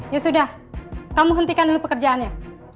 ya sudah kamu hentikan dulu pekerjaannya